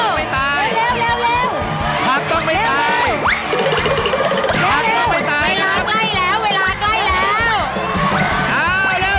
เวลากล้ายแล้ว